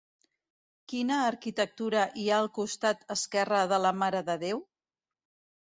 Quina arquitectura hi ha al costat esquerre de la Mare de Déu?